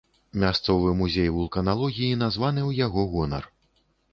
Мясцовы музей вулканалогіі названы ў яго гонар.